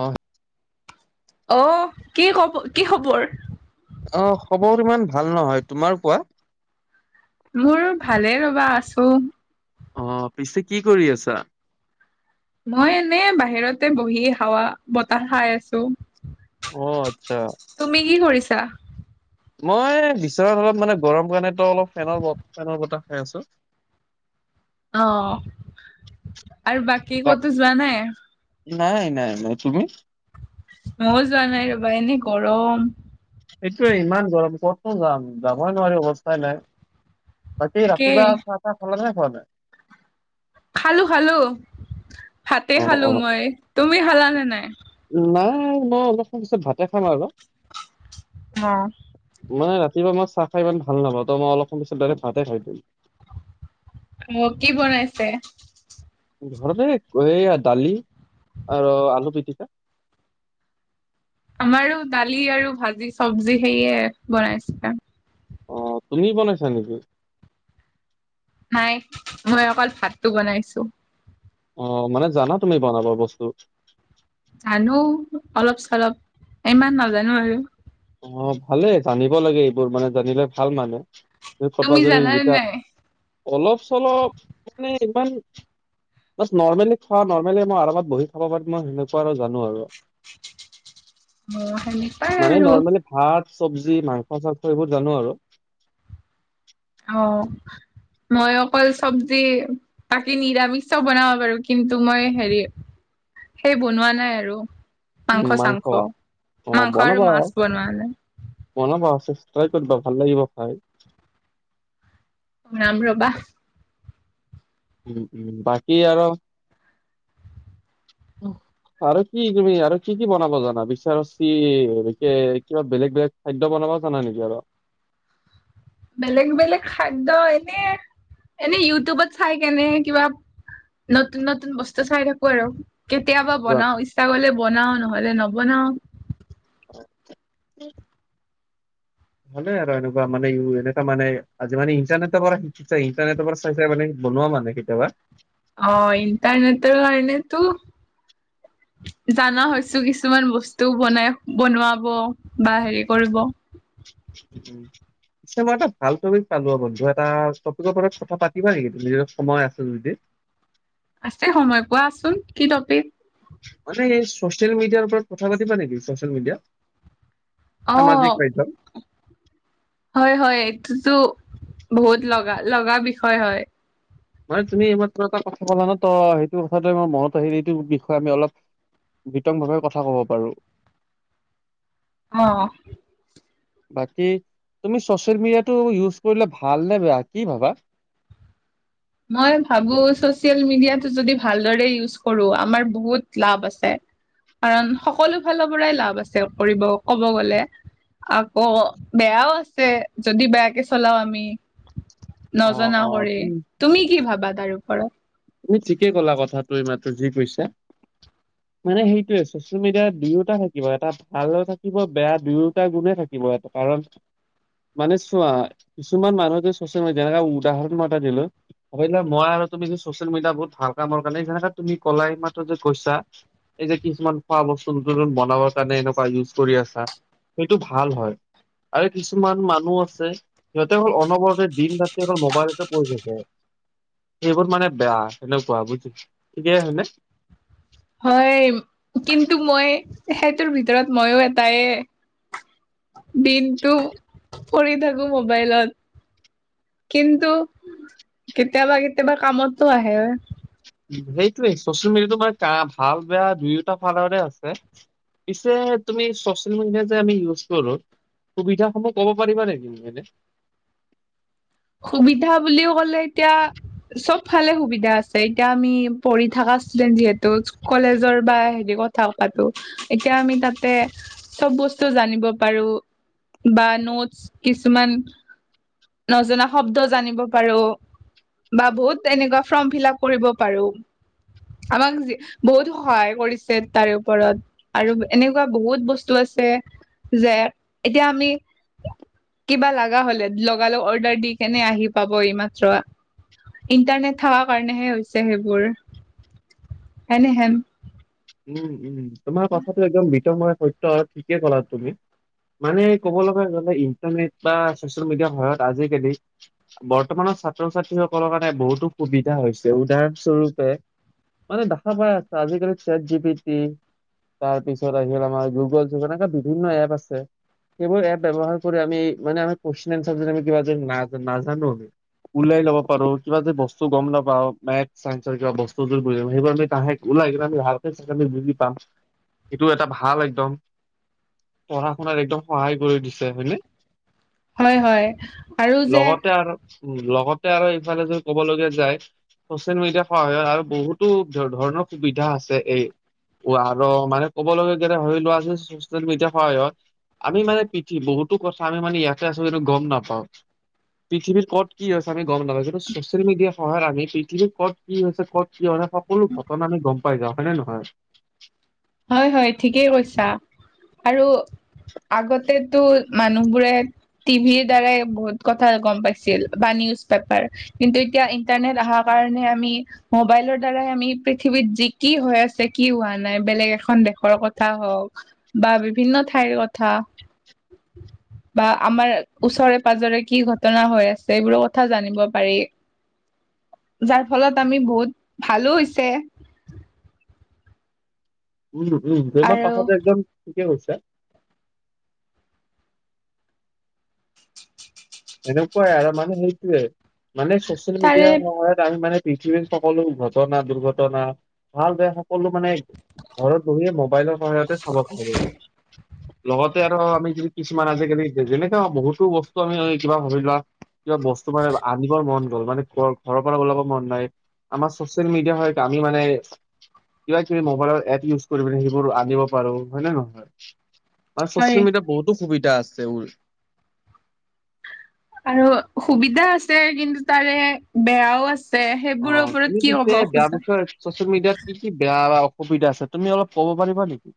অ'। অ', কি খব কি খবৰ? অ', খবৰ ইমান ভাল নহয় তোমাৰ কোৱা। মোৰ ভালে ৰ'বা আছো। অ', পিছে কি কৰি আছা? মই এনে বাহিৰতে বহি হাৱা বতাহ খাই আছো। অ', আচ্ছা। তুমি কি কৰিছা? মই বিচনাতে অলপ মানে গৰম কাৰণে তো অলপ ফেনৰ ফেনৰ বতাহ খাই আছো। অ', আৰু বাকী ক'তো যোৱা নাই? নাই নাই নাই তুমি? মই যোৱা নাই ৰবা এনেই গৰম। এইটোয়ে ইমান গৰম কতনো যাম যাবই নোৱাৰি অৱস্থাই নাই। বাকী তাকেই ৰাতিপুৱা চাহ চাহ খালানে নে খোৱা নাই? খালো খালো ভাতে অ খালো অ মই। তুমি খালা নে নাই? নাই মই অলপ সম পিছত ভাতে খাম আৰু। অ'। মান ৰাতিপুৱাই চাহ খাই ইমান ভাল নাপাওঁ ত মই অলপ সময় পিত ডাইৰেক ভতে খাই দিম। মোক কি বনাইছে? ঘৰত এইয়া দালি আৰু আলু পিটিকা। আমাৰো দালি আৰু ভাজি চবজি সেয়ে বনাইছিলে। অ', তুমি বনাইছা নেকি? নাই মই অকল ভাতটো বনাইছো। অ', মানে জানা তুমি বনাব বস্তু? জানো অলপ চলপ ইমান নাজানো আৰু। অ', ভালেই জানিব লাগে এইবোৰ মানে জানিলে ভাল মানে। তুমি জানানে [unintelligible] নাই? অলপ চলপ মানে ইমান নৰ্মেলি খুৱা নেলি মই আৰামত বহি খাব পাৰিম মই সেনেকুৱা আৰু জানো আৰু। অ', সেনে পাই মানে আৰু। নৰ্মেলি ভাত চব্জি মাংস চাঙস এইবোৰ জানো আৰু। অ', মই অকল চবজি তাকি নিৰামিষ বনাব বাৰু কিন্তু মই হেৰি সেই বনোৱা নাই আৰু মাংস চাংস অ' মাংস আৰু মাছ বনোৱা নাই মন প্ৰাই কৰিবা ভাল লাগিব খাই ৰাম ৰ বা বাকী আৰু অ আৰু কি তুমি আৰু কি কি বনাব জানা বিচাৰিক কিবা বেলেগ বেলেগ খাদ্য বনাব জানা নেকি আৰু বেলেগ বেলেগ খাদ্য এনে এনে ইউটিউবত চাই কেনে কিবা নতুন নতুন বস্তু চাই থাকো আৰু কেতিয়াবা কিবা বনাও ইচ্ছা কৰিলে বনাও নহলে নবনাও অ [unintelligible] হয়নে আৰু এনেকুৱা মানে এনেুৱা মানেজি মানে ইণ্টাৰনেটৰ পৰা শিক ইটাৰনেটৰ পৰা চাইছে মানে বনোৱা মানে কেতিয়াবা অ এন্ত এনেত কাৰণে তো [unintelligible] জানা হৈছো কিছুমান বস্তু বনাই বনোৱাব বা হেৰি কৰিব উ উম নিছে মই এটা ভাল টপিক পালো বন্ধু এটা টপিকৰ ওৰত কথা পাতিবা নেকি নিজ সময় আছে যদি আছে সময় কোৱাচোন কি টপিক মানে এই চচিয়েল মিডিয়াৰ ওপৰত কথা পাতিবা নেকি ছচিয়েল মিডিয়া অ সামাজিক কাৰ্য হয় হয় এইটোতো বহুত লগা লগা বিষয় হয় নহয় তুমি এইমাত্ৰ এটা কথা ক'লা ন ত সেইটো কথাটো আমাৰ মনত আহিল এইটো বিষয়ে আমি অলপ বিতংভাৱে কথা কব পাৰো অ বাকী তুমি চচিয়েল মিডিয়াটো ইউজ কৰিলে ভাল নে বেয়া কি ভাবা মই ভাবো চচিয়েল মিডিয়াটো যদি ভালদৰে ইউজ কৰো আমাৰ বহুত লাভ আছে কাৰণ সকলো ফালৰ পৰাই লাভ আছে কৰিব ক'ব গ'লে আকৌ বেয়াও আছে যদি বেয়াকে চলাও আমি অ নজনা অ কৰে তুমি তুমি কি ভাবা তাৰ ওপৰত তুমি ঠিকে কলা কথাটো ই মাতো যি কৈছা মানে সেইটয়ে চচিয়েল মিডিয়াত দুয়োটা থাকিব এটা ভাল থাকিব বেয়া দুয়োটা গুণে থাকিব কিবাএটা কাৰণ মানে চোৱা কিছুমান মানুহ চচ ম যেনেকা উদাহৰণ মা দিলো ভাবে মই আৰু তুমি যে চচিয়েল মিডিয়া বহুত ভাল কামৰ কাৰণে যেনেকে তুমি কলাই মাত্ৰ যে কৈছা এই যে কিছুমান খোৱা বস্তু নতুনতুন বনাবৰ কাৰণে এনেকুৱা ইউজ কৰি আছা সেইটো ভাল হয় আৰু কিছুমান মানুহ আছে সিহঁতে অকল অনবৰতে দিন ৰাতি অকল মোবাইলতে পৰি থাকে সেইবোৰ মানে বেয়া সেনেকুৱা বুজিছ িকে হয় নে হয় কিন্তু মই সেইটোৰ ভিতৰত মইো এটাই দিনটো কৰি থাকো মোবাইলত কিন্তু কেতিয়াবা কেতিয়াবা কামতো আহে সেইটোোৱে চচিয়েল মিডিয়া তো মমাৰ ভাল বেয়া দুয়োটা ফালৰে আছে পিছে তুমি চচিয়েল মিডিয়া যে আমি ইউজ কৰো সুবিধাসমূহ ক'ব পাৰিবা নেকি মানে সুবিধা বুলিও ক'লে এতিয়া চব ফালে সুবিধা আছে এতিয়া আমি পঢ়ি থকা ষ্টুডেন্ট যিহেতু কলেজৰ বা হেৰি থকাতটো এতিয়া আমি তাতে চব বস্তু জানিব পাৰো বা নোটছ কিছুমান নজনা শব্দ জানিব পাৰো বা বহুত এনেকুৱা ফৰ্ম ফিল আপ কৰিব পাৰো আমাক বহুত সহায় কৰিছে তাৰে ওপৰত আৰু এনেকুৱা বহুত বস্তু আছে যে এতিয়া আমি কিবা লগা হলে লগালগ অৰ্ডাৰ দি কেনে আহি পাব এই মাত্ৰ ইণ্টাৰনেট থকা কাৰণেহে হৈছে সেইবোৰ এনেহেন উম উম তোমাৰ কথাটো একদম বিতময় সত্য আৰু ঠিকেই ক'লা তুমি মানে ক'ব লগা হ'লে ইণ্টাৰনেট বা ছচিয়েল মিডিয়াৰ সহায়ত আজিকালি বৰ্তমানৰ ছাত্ৰ ছাত্ৰী সকলৰ কাৰণে বহুতো সুবিধা হৈছে উদাহৰণ স্বৰূপে মানে দেখা পাই আছে আজিকালি চেট জি প টি তাৰপিছত আহিল আমাৰ গুগল যুগ এনেকা বিভিন্ন এপ আছে সেইবোৰ এপ ব্যৱহাৰ কৰি আমি মানে কোয়েচন কিবা নাজানো আমি ওলাই ল'ব পাৰো কিবা য বস্তূ গম না পাওঁ মেথ ছাইন্ঞ্চৰ কিবা বস্তু যোৰ বুৰ সেইবোৰ আমি তাহে ওলাই কি ভালকে চালে বুজি পাম সেইটো এটা ভাল একদম পঢ়া শুনাত একদম সহায় কৰি দিছে হয় নে হয় হয় আৰু যে লগতে আৰু লগতে আৰু ইফালে যদি ক'ব লগীয়া যায় চচিয়েল মিডিয়াৰ সহায়ত আৰু বহুতো ধৰণৰ সুবিধা আছে এই আৰু মানে কব লগ কে হৈ লোৱা চচিয়েল মিডিয়াৰ সহায়ত আমি মানে পিঠি বহুো কথা আমি মানে ইয়াতে আছো কিন্তু গম নাপাওঁ পৃথিৱী ক'ত কি হৈছে আমি গম নাপাও কিন্তু ছচিয়েল মিডিয়াৰ সহায় আমি পৃথিৱীত কত কি হৈছে ক'ত কি হয় সকলো ঘটনা আমি গম পাই যাওঁ হয়নে নহয় হয় হয় ঠিকেই কৈছা আৰু আগতেতো মানুহ বোৰে টি ভিৰ দ্বাৰাই বহুত কথা গম পাইছিল বা নিউজ পেপাৰ কিন্তু এতিয়া ইন্টাৰনেট অহাৰ কাৰণে আমি মোবাইলৰ দ্বাৰাই আমি পৃথিৱীত যি কি হৈ আছে কি হোৱা নাই বেলেগ এখন দেশৰ কথা হওক বা বিভিন্ন ঠাইৰ কথা [inaudible] বা আমাৰ ওচৰে পাজৰে কি ঘটনা হৈ আছে এইবোৰ কথা জানিব পাৰি যাৰ ফলত আমি বহুত ভালো হৈছে উম উম তুমাৰ আৰু পাঠতে একজন ঠিকে কৈছা এনেকুৱাই আৰু মানে সেইটোয়ে মানে চচিয়েল মিডিয়া তাৰে সময়ত আমি মানে পৃথিৱীৰ সকলো ঘটনা দুৰ্ঘটনা ভাল বেয়া সকলো মানে ঘৰত বহিয়ে মোবাইলৰ সহায়তে চাব পাৰি লগতে আৰু আমি যদি কিছুমান আজিকালি যেনেকে বহুতো বস্তু আমি কিবা ভাব লোৱা কিবা বস্তু মানে আনিবৰ মন গ'ল মানে ঘ ঘৰৰ পৰা ওলাব মন নাই আমাৰ চচিয়েল মিডিয়া সহায়ত আমি মানে কিবা কিবি মোবাইলৰ এপ ইউজ কৰিব সেইবোৰ আনিব পাৰো হয় নে নহয় আৰ হয় চচেল মিডিয়াত বহুতো সুবিধা আছে আৰু সুবিধা আছে কিন্তু তাৰে বেয়াও আছে অ সেইবোৰৰ ওপৰত তুমি কি পিছে ক'ব বেয়া খোজা বছৰ চচিয়েল মিডিয়াত কি কি বেয়া অসুবিধা আছে তুমি অলপ ক'ব পাৰিবা নেকি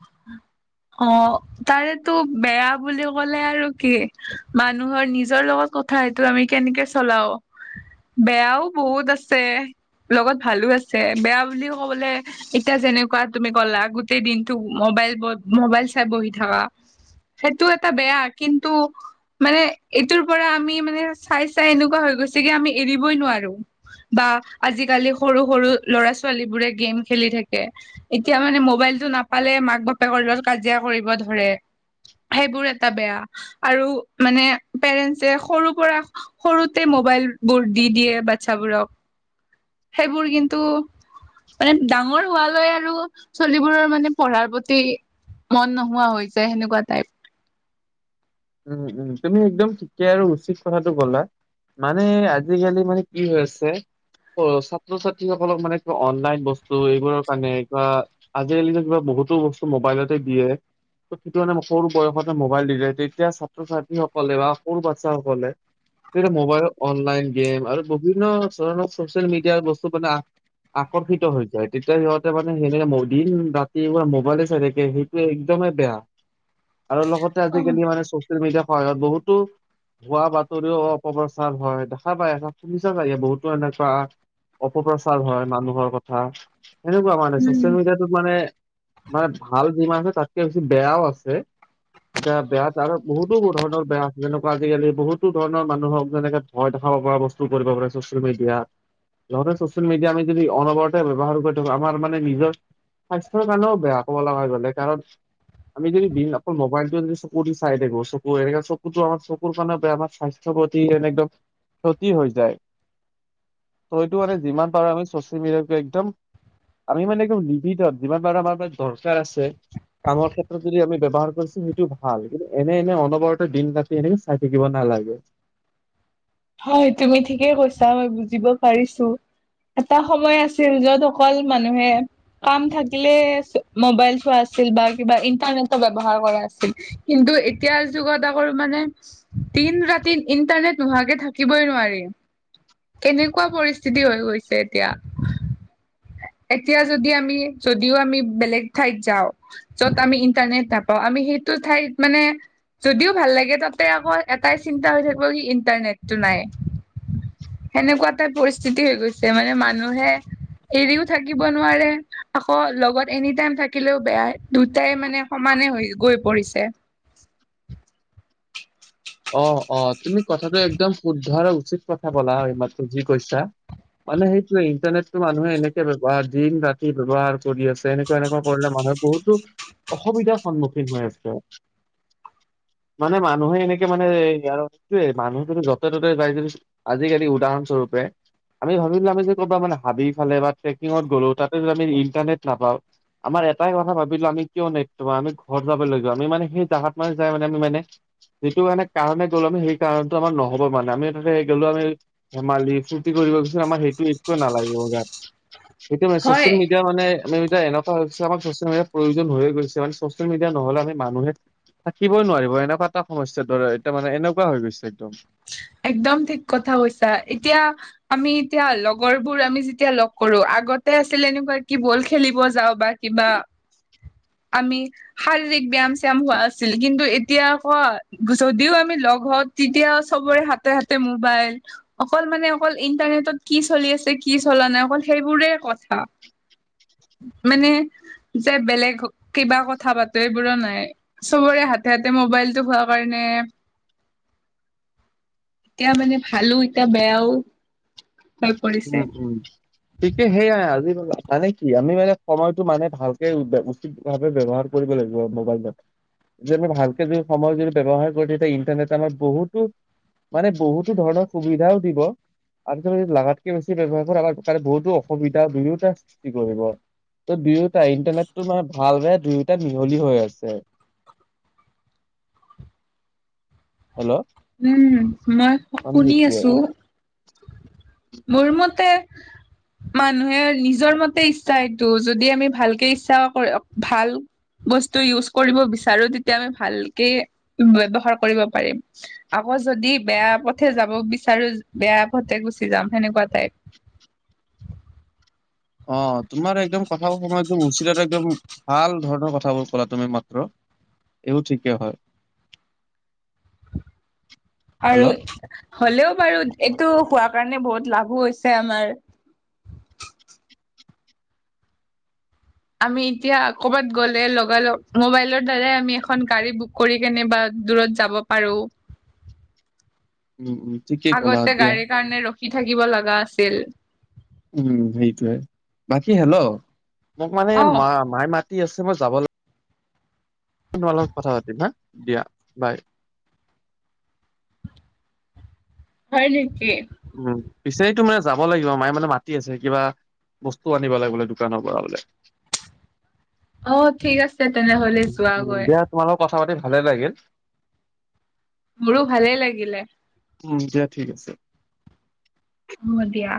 উম অ তাৰেতো বেয়া বুলি ক'লে আৰু কি মানুহৰ নিজৰ লগত কথা এইটো আমি কেনেকে চলাও বেয়াও বহুত আছে লগত ভালো আছে বেয়া বুলিও কবলে এতিয়া যেনেকুৱা তুমি কলা গোটেই দিন মবাইল মবাইল চাই বহি থকা সেইটো এটা বেয়া কিন্তু মানে এইটোৰ পৰা আমি মানে চাই চাই এনেকুৱা হৈ গৈছে কি আমি এৰিবই নোৱাৰো বা আজিকালি সৰু সৰু ল'ৰা ছোৱালী বোৰে গেম খেলি থাকে এতিয়া মানে মোবাইলটো নাপালে মাক বাপেকৰ লগত কাজিয়া কৰিব ধৰে সেইবোৰ এটা বেয়া, আৰু মানে পেৰেন্টচে সৰু পৰা সৰুতে মোবাইল বোৰ দি দিয়ে বাচ্ছাবোৰক। সেইবোৰ কিন্তু মানে ডাঙৰ হোৱালৈ আৰু চলিবোৰৰ মানে পঢ়াৰ প্ৰতি মন নোহোৱা হৈ যায় সেনেকুৱা টাইপ। উম উম তুমি একদম ঠিকে আৰু উচিত কথাটো ক'লা। মানে আজিকালি মানে কি হৈ আছে অ' ছাত্ৰ ছাত্ৰীসকলক মানে কিবা অনলাইন বস্তু এইবোৰৰ কাৰণে কিবা আজিকালিতো কিবা বহুতো বস্তু মোবাইলতে দিয়ে, ত' সেইটো কাৰনে সৰু বয়সতে মোবাইল ৰিলেটেড এতিয়া ছাত্ৰ ছাত্ৰীসকলে বা সৰু বাচ্ছাসকলে য়া মোবাইল অনলাইন গে'ম আৰু বিভিন্ন ধৰণৰ চচিয়েল মিডিয়াৰ বস্তু মানে আকৰ্ষিত হৈ যায়, তেতিয়া সিহঁতে মানে হেনেকে দিন ৰাতিপুৱা মোবাইলে চাই থাকে। সেই একদমেই বেয়া, আৰু লগতে অ আজিকালি মানে চচিয়েল মিডিয়া সহায়ত বহুতো হোৱা বাতৰিওঁ অপপ্ৰচাৰ হয়, দেখা পায় আছা, শুনিছা চাগে বহুতো এনেকুৱা অপপ্ৰচাৰ হয় মানুহৰ কথা সেনেকুৱা মানে, উম চচিয়েল মিডিয়াটোত মানে মানে ভাল যিমান আছে তাত- বেয়াও আছে, এতিয়া বেয়া ত' বহুতো ধৰণৰ বেয়া আছে, যেনেকুৱা আজিকালি বহুতো ধৰণৰ মানুহক যেনেকে ভয় দেখাব পৰা বস্তু টো কৰিব পাৰে ছচিয়েল মিডিয়া ইহ'তে ছচিয়েল মিডিয়া আমি যদি অনবৰতে ব্যৱহাৰ কৰি থাকো আমাৰ মানে নিজৰ স্বাস্থ্যৰ কাৰণেও বেয়া ক'ব লগা গ'লে, কাৰণ আমি যদি অকল মবাইল কৰি চাই থাকো, চকুৰ এ চকুটো আমাৰ চকুৰ কাৰনে বেয়া, স্বাস্থ্যৰ প্ৰতি একদম ক্ষতি হৈ যায়, তইটো মানে যিমান পাৰো আমি চচিয়েল মিডিয়াক একদম আমি মানে একদম লিমিটত, যিমান পাৰা আমাৰ দৰকাৰ আছে কামৰ ক্ষেত্ৰত যদি আমি ব্যৱহাৰ কৰিছো সেইটো ভা ভাল, কিন্তু এনে এনে অনবৰত দিন ৰাতি এনেকে চাই থাকিব নালাগে। হয় তুমি ঠিকেই কৈছা মই বুজিব পাৰিছো, এটা সময় আছিল, য'ত অকল মানুহে কাম থাকিলে মোবাইল চোৱা আছিল বা কিবা ইন্টাৰনেটৰ ব্যৱহাৰ কৰা আছিল। কিন্তু এতিয়া যুগত আকৌ মানে দিন ৰাতি ইন্টাৰনেট নোহোৱাকে থাকে কিবই নোৱাৰি, কেনেকুৱা পৰিস্থিতি হৈ গৈছে এতিয়া। এতিয়া যদি আমি যদিওঁ আমি বেলেগ ঠাইত যাওঁ। য'ত আমি ইণ্টাৰনেট নাপাওঁ, আমি সেইটো ঠাইত মানে যদিওঁ ভাল লাগে তাতে আকৌ এটাই চিন্তা হৈ থাকিব কি ইণ্টাৰনেটটো নাই। সেনেকুৱা এটা পৰিস্থিতি হৈ গৈছে মানে মানুহে এৰিওঁ থাকিব নোৱাৰে আকৌ লগত এনি টাইম থাকিলেও বেয়া, দুটাই মানে সমানে হৈ গৈ পৰিছে। অ', অ' তুমি কথাটো একদম শুদ্ধ আৰু উচিত কথা ক'লা এইমাত্ৰ যি কৈছা। মানে সেইটোৱে, ইণ্টাৰনেটতো মানুহে এনেকে ব্যৱহাৰ, দিন ৰাতি ব্যৱহাৰ কৰি আছে এনেকুৱা এনেকুৱা কৰিলে মানুহে বহুতো অসুবিধাৰ সন্মুখীন হৈ আছে, মানে মানুহে এনেকে মানেয়েই মানুহ যদি য'তে ত'তে যাই যদি আজিকালি উদাহৰণ স্বৰূপে আমি ভাবিলো আমি যে ক'ৰবাৰ হাবি ফালে বা টেকিঙত গ'লো তাতে যদি আমি ইণ্টাৰনেট নাপাওঁ আমাৰ এটাই কথা ভাবিলো, আমি কিয় নেটটো আমি ঘৰত যাব লাগিব আমি মানে সেই জাগাত মান যাই মে আমি মানে যিটো মানে কাৰণে গ'লো আমি সেই কাৰণটো আমাৰ নহব মানে, আমি তাতে গ'লো আমি ধেমালি ৰ্ফুটি কৰিব গৈছিলো আমাৰ সেইটো একো নালাগিব গাত। সেটো মানে হয় ছচিয়েল মিডিয়া মানে আমি এতিয়া এনেকুৱা হৈ গৈছে আমাক ছচিয়েল মিডিয়াৰ প্ৰয়োজন হৈয়ে গৈছে, মানে ছচিয়েল মিডিয়া নহ'লে আমি মানুহে থাকিবই নোৱাৰিব এনেকুৱা এটা সমস্যাৰ দৰে, এতিয়া মানে এনেকুৱা হৈ গৈছে একদম। একদম ঠিক কথা কৈছা, এতিয়া আমি এতিয়া লগৰ বোৰ আমি যেতিয়া লগ কৰো, আগতে আছিল এনেকুৱা কি বল খেলিব যাওঁ বা কিবা [unintelligible] আমি শাৰীৰিক ব্যায়াম চয়াম হোৱা আছিল, কিন্তু এতিয়া কোৱা যদিও আমি লগ হওঁ তেতিয়া সবৰে হাতে হাতে মোবাইল অকল মানে অকল ইণ্টাৰনেটত কি চলি আছে কি চলা নাই অকল সেইবোৰে কথা, মানে যে বেলেগ কিবা কথা পাতো এইবোৰো নাই। চবৰে হাতে হাতে মোবাইলটো হোৱা কাৰণে এতিয়া মানে ভালো এতিয়া বেয়াও, হৈ উম পৰিছে উম তে সেয়াই আজি মানে কি আমি মানে সময়তটো মানে ভালকে উচিত ভাৱে ব্যৱহাৰ কৰিব লাগিব মোবাইলত। যেদি আমি ভালকে যদি সময় যদি ব্যৱহাৰ কৰো তেতিয়া ইণ্টাৰনেট আমাৰ বহুতো মানে বহুতো ধৰণৰ সুবিধাও দিব, আৰু যদি লাগা বেছি ব্যৱহাৰ কৰ আ কাৰণে বহুতো অসুবিধা দুয়োটাাৰ সৃষ্টি কৰিব। ত' দুয়োটা ইণ্টাৰনেটো মানে ভাল দুয়োটা মিহলি হৈ আছে। হেল্ল' উম মই মানে শুনি সেইটোৱে। আছো মোৰ মতে মানুহে নিজৰ মতে ইচ্ছা এইটো যদি আমি ভালকে ইচ্ছা কৰ ভাল বস্তু ইউজ কৰিব বিচাৰো তেতিয়া আমি ভালকে ব্ৱহাৰ কৰিব পাৰিম। আকৌ যদি বেয়া পথে যাব বিচাৰো বেয়া পথে গুচি যাম সেনেকুৱা টাইপ। অ', তোমাৰ একদম কথাাব সময় একদম উচিতত একদম ভাল ধৰণৰ কথাবোৰ কলা তুমি মাত্ৰ এইও ঠিকেই হয়। [inaudible] আৰু হেল্ল' হ'লেও বাৰু এইটো হোৱা কাৰণে বহুত লাভো হৈছে আমাৰ আমি এতিয়া কবাত গ'লে লগ লগগ মোবাইলৰ দ্বাৰাই আমি এখন গাড়ী বুক কৰি কেনে বাা দূৰত যাব পাৰোঁ। উম উম ঠিকেই ক'লা দিয়া কি থাকিব লগা আছিল উম সেইটয়ে বাকী হেল্ল' মোক মানে অ' মা মাইে মাতি আছে মই যাব লাগ তোমাৰাল লগত কথা পাতিম হা দিয়া বাই। হয় নেকি? উম পিছোৰটোো মানে যাব লাগিব মায়ে মানে মাতি আছে কিবা বস্তু আনিব লাগ বোলে দোকানৰ পৰা বোলে। অ', ঠিক আছে তেনেহলে যোৱাগৈ। তোমাল লগত কথা পাতি ভালে লাগিল। মোৰো ভালে লাগিলে। উম দিয়া ঠিক আছে। হব দিয়া